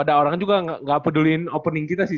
ada orang juga nggak peduliin opening kita sih